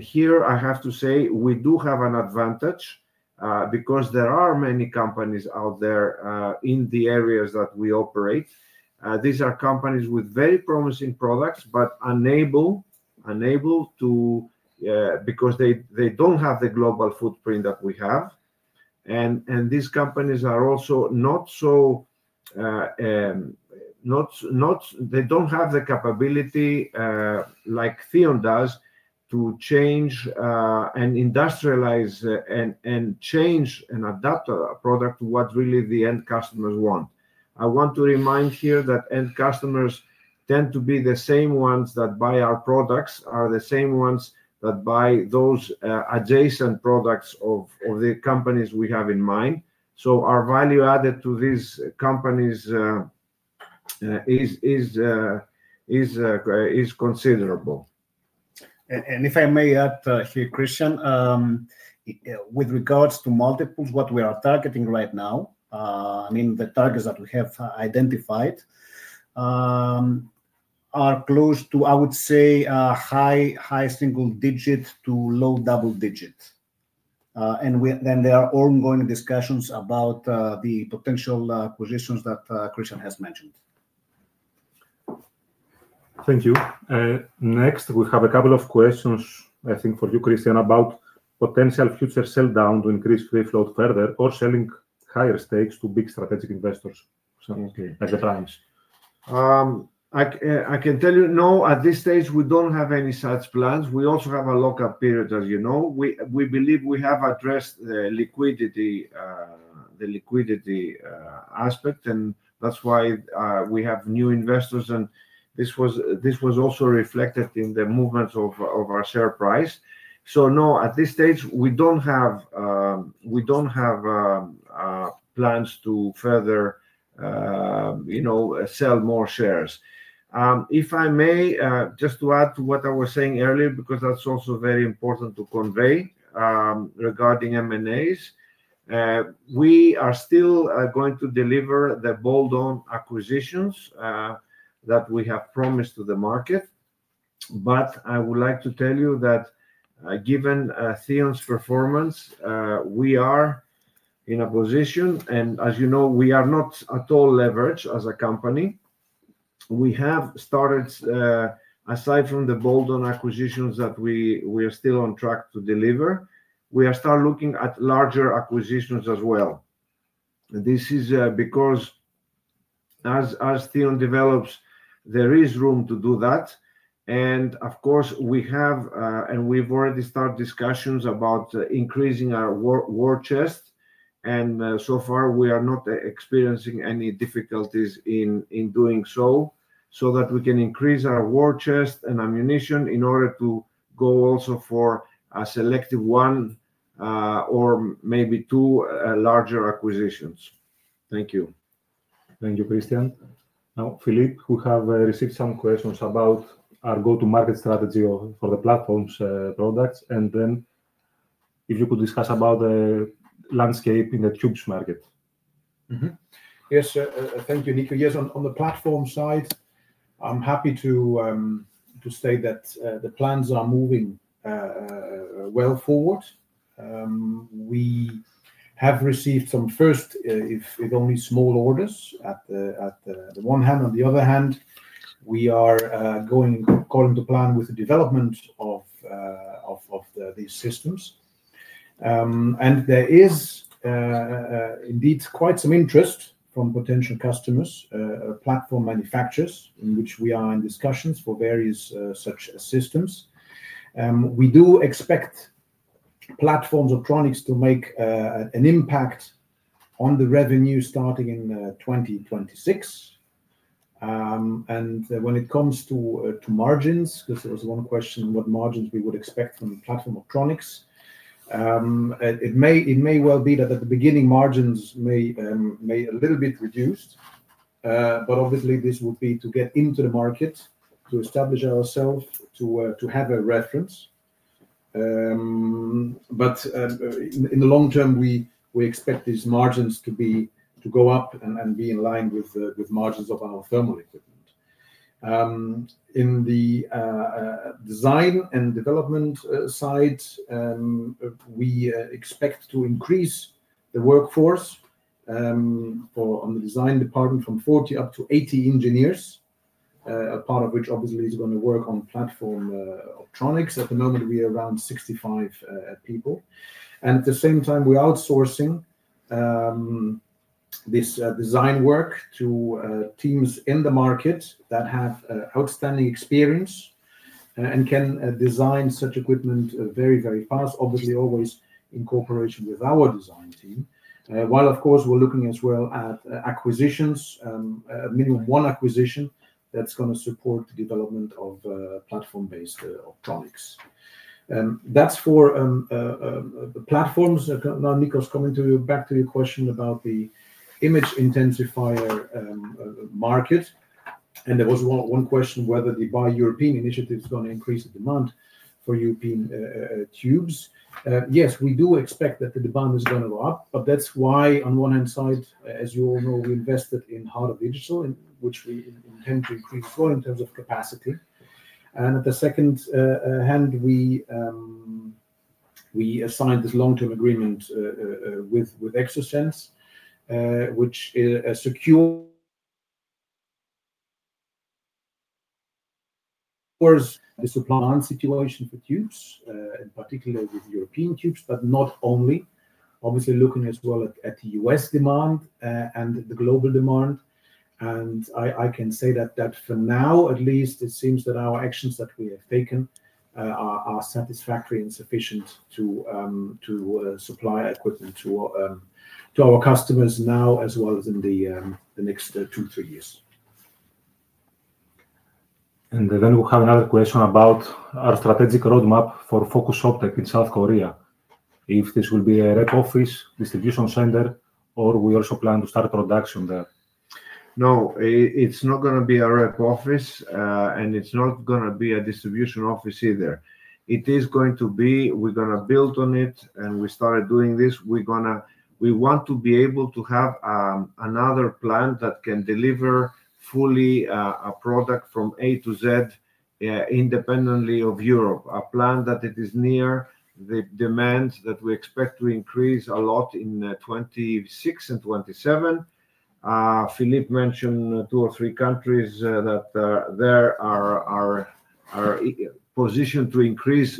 Speaker 3: Here, I have to say, we do have an advantage because there are many companies out there in the areas that we operate. These are companies with very promising products, but unable to because they do not have the global footprint that we have. These companies are also not, so they do not have the capability like Theon does to change and industrialize and change and adapt a product to what really the end customers want. I want to remind here that end customers tend to be the same ones that buy our products, are the same ones that buy those adjacent products of the companies we have in mind. Our value added to these companies is considerable.
Speaker 5: If I may add here, Christian, with regards to multiples, what we are targeting right now, I mean, the targets that we have identified are close to, I would say, high single digit to low double digit. There are ongoing discussions about the potential acquisitions that Christian has mentioned.
Speaker 2: Thank you. Next, we have a couple of questions, I think, for you, Christian, about potential future sell down to increase free float further or selling higher stakes to big strategic investors at the times.
Speaker 3: I can tell you, no, at this stage, we don't have any such plans. We also have a lockup period, as you know. We believe we have addressed the liquidity aspect, and that's why we have new investors. This was also reflected in the movements of our share price. No, at this stage, we don't have plans to further sell more shares. If I may, just to add to what I was saying earlier, because that's also very important to convey regarding M&As, we are still going to deliver the bolt-on acquisitions that we have promised to the market. I would like to tell you that given Theon's performance, we are in a position, and as you know, we are not at all leveraged as a company. We have started, aside from the bolt-on acquisitions that we are still on track to deliver, we are starting looking at larger acquisitions as well. This is because as Theon develops, there is room to do that. Of course, we have and we've already started discussions about increasing our war chest. So far, we are not experiencing any difficulties in doing so so that we can increase our war chest and ammunition in order to go also for a selective one or maybe two larger acquisitions. Thank you.
Speaker 2: Thank you, Christian. Now, Philippe, we have received some questions about our go-to-market strategy for the platform's products. If you could discuss about the landscape in the tubes market.
Speaker 4: Yes. Thank you, Nikos. Yes. On the platform side, I'm happy to state that the plans are moving well forward. We have received some first, if only small, orders at the one hand. On the other hand, we are going according to plan with the development of these systems. There is indeed quite some interest from potential customers, platform manufacturers, in which we are in discussions for various such systems. We do expect [platform-based optronics] to make an impact on the revenue starting in 2026. When it comes to margins, this was one question, what margins we would expect from the [platform-based optronics]. It may well be that at the beginning, margins may be a little bit reduced. Obviously, this would be to get into the market, to establish ourselves, to have a reference. In the long term, we expect these margins to go up and be in line with margins of our thermal equipment. In the design and development side, we expect to increase the workforce on the design department from 40 up to 80 engineers, a part of which obviously is going to work on [platform-based optronics]. At the moment, we are around 65 people. At the same time, we're outsourcing this design work to teams in the market that have outstanding experience and can design such equipment very, very fast, obviously always in cooperation with our design team. Of course, we're looking as well at acquisitions, minimum one acquisition that's going to support the development of platform-based [optronics]. That's for the platforms. Now, Nikos coming back to your question about the image intensifier market.
Speaker 2: There was one question whether the Buy European initiative is going to increase the demand for European tubes.
Speaker 4: Yes, we do expect that the demand is going to go up. That is why on one hand side, as you all know, we invested in Harder Digital, which we intend to increase as well in terms of capacity. On the second hand, we signed this long-term agreement with Exosens, which secures the supply situation for tubes, in particular with European tubes, but not only. Obviously, looking as well at the U.S. demand and the global demand. I can say that for now, at least, it seems that our actions that we have taken are satisfactory and sufficient to supply equipment to our customers now as well as in the next two, three years.
Speaker 2: We have another question about our strategic roadmap for Focus Optic in South Korea. If this will be a rep office, distribution center, or we also plan to start production there.
Speaker 3: No, it's not going to be a rep office, and it's not going to be a distribution office either. It is going to be we're going to build on it, and we started doing this. We want to be able to have another plan that can deliver fully a product from A to Z independently of Europe, a plan that it is near the demand that we expect to increase a lot in 2026 and 2027. Philippe mentioned two or three countries that are positioned to increase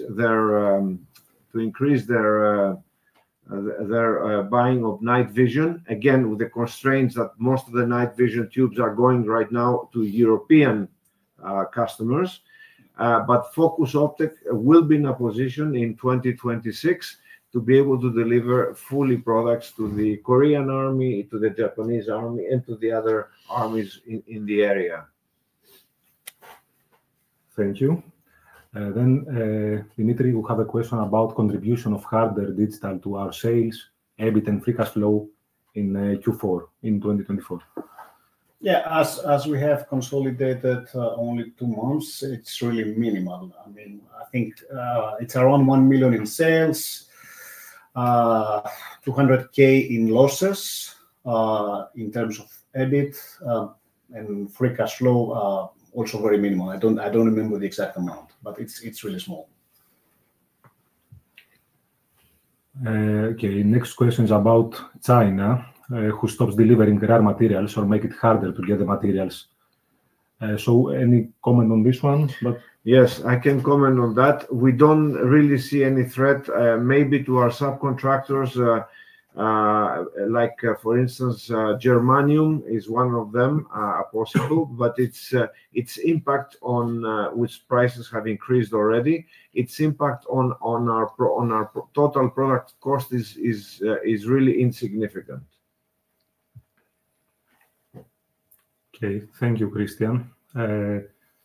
Speaker 3: their buying of night vision, again, with the constraints that most of the night vision tubes are going right now to European customers. Focus Optech will be in a position in 2026 to be able to deliver fully products to the Korean Army, to the Japanese Army, and to the other armies in the area.
Speaker 2: Thank you. Dimitris, we have a question about contribution of Harder Digital to our sales, EBIT, and free cash flow in Q4 in 2024.
Speaker 5: Yeah. As we have consolidated only two months, it's really minimal. I mean, I think it's around 1 million in sales, 200,000 in losses in terms of EBIT, and free cash flow also very minimal. I don't remember the exact amount, but it's really small.
Speaker 2: Okay. Next question is about China, who stops delivering rare materials or makes it harder to get the materials. Any comment on this one?
Speaker 5: Yes, I can comment on that. We do not really see any threat maybe to our subcontractors, like for instance, germanium is one of them, a possible, but its impact on which prices have increased already, its impact on our total product cost is really insignificant.
Speaker 2: Okay. Thank you, Christian.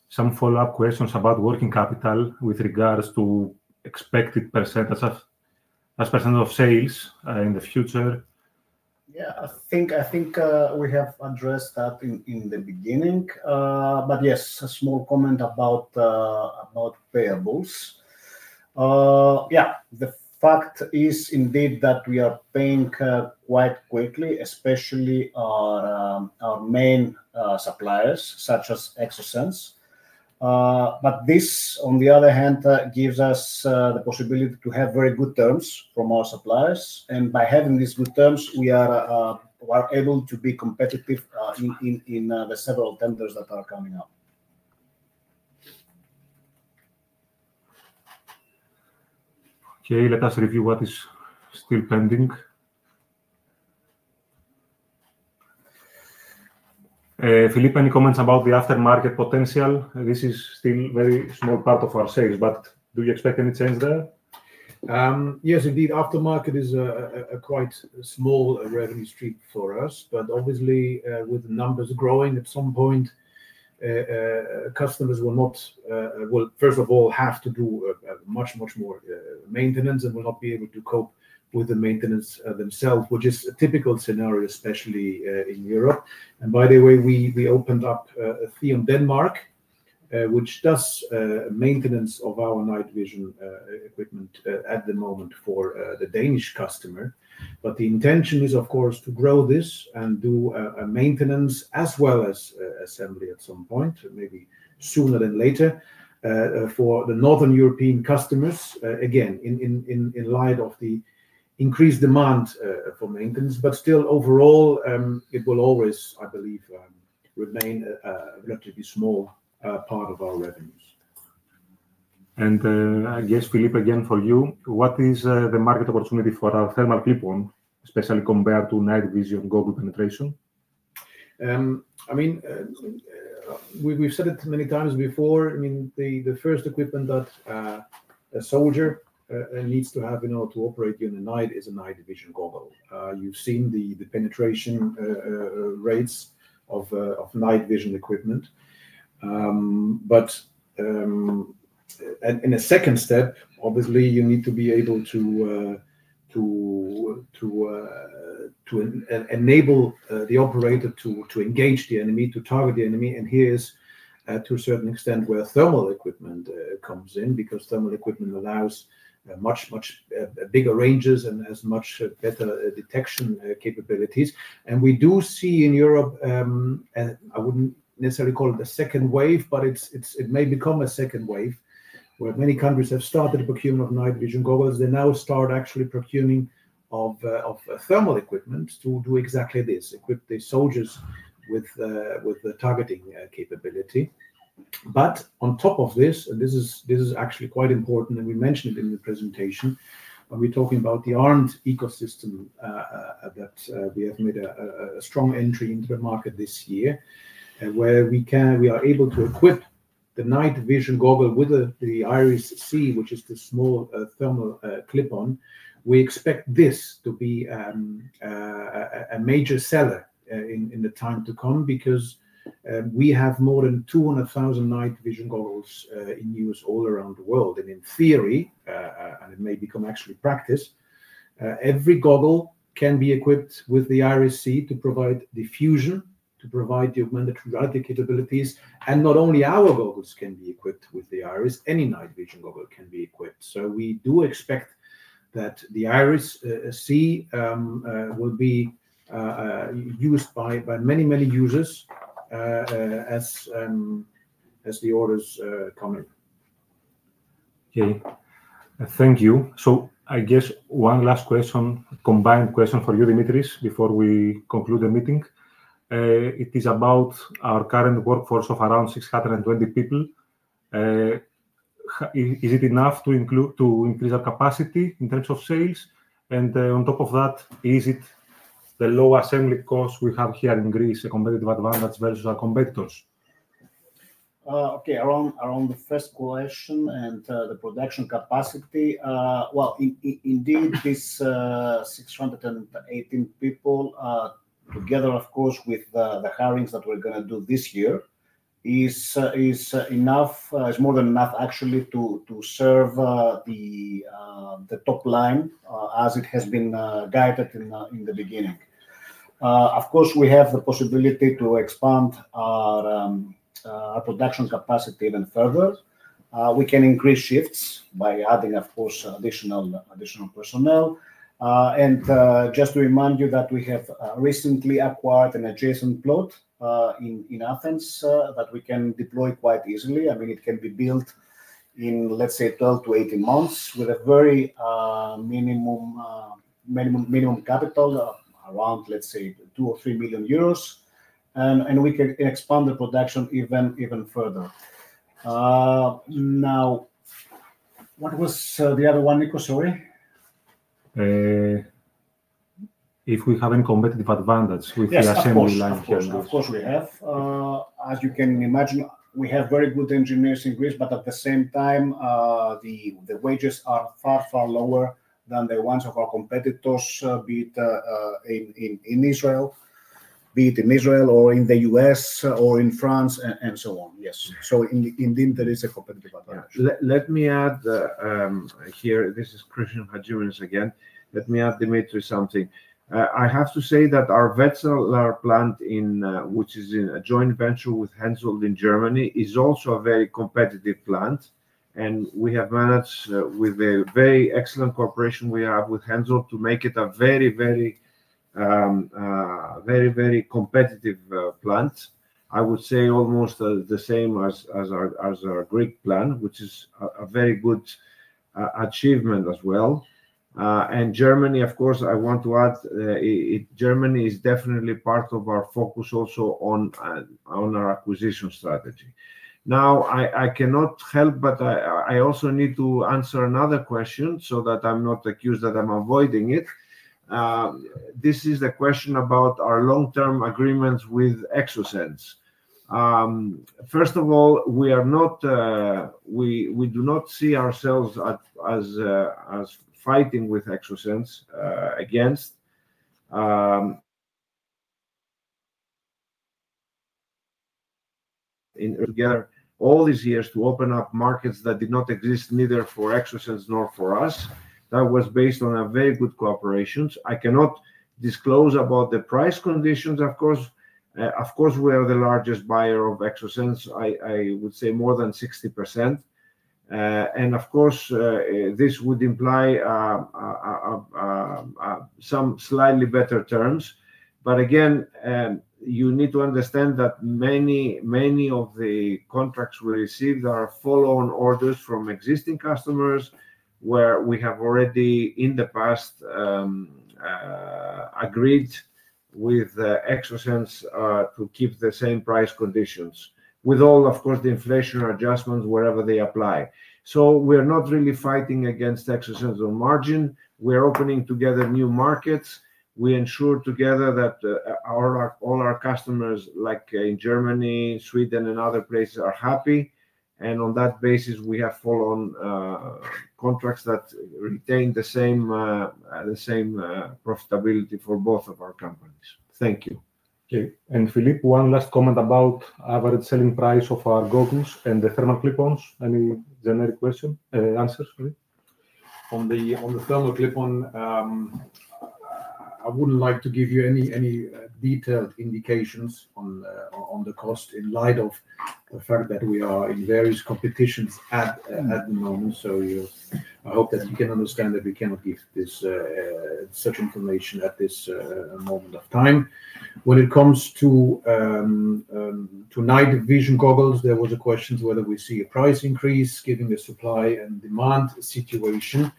Speaker 2: Some follow-up questions about working capital with regards to expected % of sales in the future.
Speaker 3: Yeah. I think we have addressed that in the beginning. Yes, a small comment about payables. Yeah. The fact is indeed that we are paying quite quickly, especially our main suppliers such as Exosens. This, on the other hand, gives us the possibility to have very good terms from our suppliers. By having these good terms, we are able to be competitive in the several tenders that are coming up.
Speaker 2: Okay. Let us review what is still pending. Philippe, any comments about the aftermarket potential? This is still a very small part of our sales, but do you expect any change there?
Speaker 4: Yes, indeed. Aftermarket is a quite small revenue stream for us. But obviously, with numbers growing, at some point, customers will not, well, first of all, have to do much, much more maintenance and will not be able to cope with the maintenance themselves, which is a typical scenario, especially in Europe. By the way, we opened up a Theon Denmark, which does maintenance of our night vision equipment at the moment for the Danish customer. The intention is, of course, to grow this and do maintenance as well as assembly at some point, maybe sooner than later, for the northern European customers, again, in light of the increased demand for maintenance. Still, overall, it will always, I believe, remain a relatively small part of our revenues.
Speaker 2: I guess, Philippe, again for you, what is the market opportunity for our thermal clip-on, especially compared to Night Vision goggle penetration?
Speaker 4: I mean, we've said it many times before. I mean, the first equipment that a soldier needs to have to operate in the night is a night vision goggle. You've seen the penetration rates of night vision equipment. In a second step, obviously, you need to be able to enable the operator to engage the enemy, to target the enemy. Here is, to a certain extent, where thermal equipment comes in because thermal equipment allows much, much bigger ranges and has much better detection capabilities. We do see in Europe, and I wouldn't necessarily call it a second wave, but it may become a second wave where many countries have started procurement of night vision goggles. They now start actually procuring thermal equipment to do exactly this, equip the soldiers with targeting capability. On top of this, and this is actually quite important, and we mentioned it in the presentation, when we're talking about the A.R.M.E.D. ecosystem that we have made a strong entry into the market this year, where we are able to equip the Night Vision goggle with the IRIS-C, which is the small thermal clip-on. We expect this to be a major seller in the time to come because we have more than 200,000 Night Vision goggles in use all around the world. In theory, and it may become actually practice, every goggle can be equipped with the IRIS-C to provide diffusion, to provide the augmented reality capabilities. Not only our goggles can be equipped with the Iris, any Night Vision goggle can be equipped. We do expect that the IRIS-C will be used by many, many users as the orders come in.
Speaker 2: Okay. Thank you. I guess one last question, combined question for you, Dimitris, before we conclude the meeting. It is about our current workforce of around 620 people. Is it enough to increase our capacity in terms of sales? On top of that, is the low assembly cost we have here in Greece a competitive advantage versus our competitors?
Speaker 5: Okay. Around the first question and the production capacity, indeed, this 618 people. Together, of course, with the hirings that we're going to do this year, is more than enough actually to serve the top line as it has been guided in the beginning. Of course, we have the possibility to expand our production capacity even further. We can increase shifts by adding, of course, additional personnel. Just to remind you that we have recently acquired an adjacent plot in Athens that we can deploy quite easily. I mean, it can be built in, let's say, 12-18 months with a very minimum capital, around, let's say, 2 million-3 million euros. We can expand the production even further. Now, what was the other one, Nikos? Sorry.
Speaker 2: If we have a competitive advantage with the assembly line here.
Speaker 5: Of course, of course, we have. As you can imagine, we have very good engineers in Greece, but at the same time, the wages are far, far lower than the ones of our competitors, be it in Israel or in the U.S. or in France and so on. Yes. Indeed, there is a competitive advantage.
Speaker 3: Let me add here, this is Christian Hadjiminas again. Let me add, Dimitris, something. I have to say that our Wetzlar plant, which is a joint venture with Hensoldt in Germany, is also a very competitive plant. We have managed with a very excellent cooperation we have with Hensoldt to make it a very, very competitive plant. I would say almost the same as our Greek plant, which is a very good achievement as well. Germany, of course, I want to add, Germany is definitely part of our focus also on our acquisition strategy. Now, I cannot help, but I also need to answer another question so that I'm not accused that I'm avoiding it. This is the question about our long-term agreements with Exosens. First of all, we do not see ourselves as fighting with Exosens against. In. Together all these years to open up markets that did not exist neither for Exosens nor for us. That was based on a very good cooperation. I cannot disclose about the price conditions. Of course, we are the largest buyer of Exosens, I would say more than 60%. Of course, this would imply some slightly better terms. Again, you need to understand that many of the contracts we received are follow-on orders from existing customers where we have already in the past agreed with Exosens to keep the same price conditions, with all, of course, the inflation adjustments wherever they apply. We are not really fighting against Exosens on margin. We are opening together new markets. We ensure together that all our customers, like in Germany, Sweden, and other places, are happy. On that basis, we have follow-on contracts that retain the same profitability for both of our companies. Thank you.
Speaker 2: Okay. Philippe, one last comment about average selling price of our goggles and the thermal clip-ons. Any generic question answers?
Speaker 4: On the thermal clip-on, I would not like to give you any detailed indications on the cost in light of the fact that we are in various competitions at the moment. I hope that you can understand that we cannot give such information at this moment of time. When it comes to Night Vision goggles, there was a question whether we see a price increase given the supply and demand situation.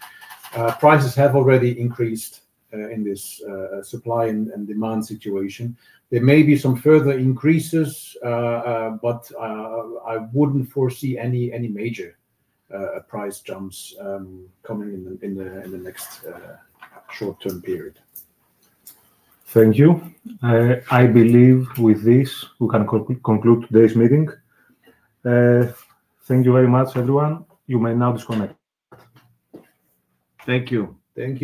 Speaker 4: Prices have already increased in this supply and demand situation. There may be some further increases, but I would not foresee any major price jumps coming in the next short-term period.
Speaker 2: Thank you. I believe with this, we can conclude today's meeting. Thank you very much, everyone. You may now disconnect.
Speaker 3: Thank you. Thank you.